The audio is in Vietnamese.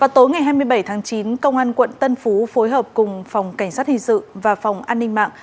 tối ngày hai mươi bảy tháng chín công an quận tân phú phối hợp cùng phòng cảnh sát hình sự và phòng an ninh mạng